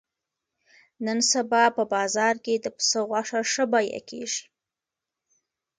نن سبا په بازار کې د پسه غوښه ښه بیه کېږي.